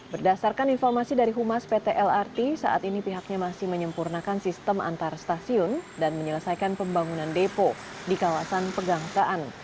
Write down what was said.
berdasarkan informasi dari humas pt lrt saat ini pihaknya masih menyempurnakan sistem antar stasiun dan menyelesaikan pembangunan depo di kawasan pegangsaan